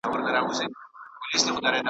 په خمير كي يې فساد دئ ور اخښلى .